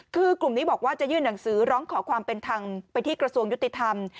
คือกลุ่มนี้บอกว่าจะยื่นหนังสือร้องขอความเป็นธรรมไปที่กระทรวงยุติธรรม